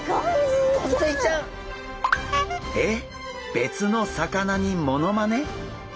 別の魚にモノマネ！？